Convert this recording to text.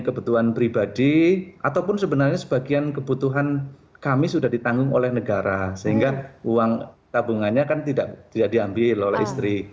kebutuhan pribadi ataupun sebenarnya sebagian kebutuhan kami sudah ditanggung oleh negara sehingga uang tabungannya kan tidak diambil oleh istri